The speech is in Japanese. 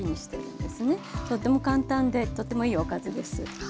とっても簡単でとってもいいおかずです。